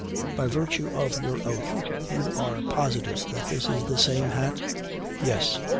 "By virtue of your oath, are you positive that this is the same hat?" "Yes."